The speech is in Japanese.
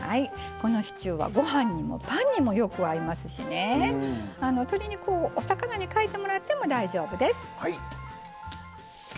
このシチューはご飯にもパンにもよく合いますしね鶏肉をお魚にかえてもらっても大丈夫です。